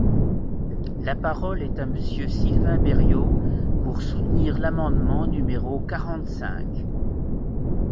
La parole est à Monsieur Sylvain Berrios, pour soutenir l’amendement numéro quarante-cinq.